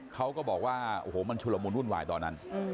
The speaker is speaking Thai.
เขาก็บอกว่าโอ้โหมันชุลมุนวุ่นวายตอนนั้น